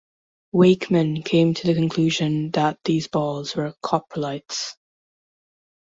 Wakeman came to the conclusion that these balls were coprolites.